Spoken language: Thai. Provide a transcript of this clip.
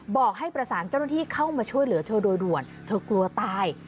เจ้าหน้าที่เข้ามาช่วยเหลือเธอโดยรวมเธอกลัวตาย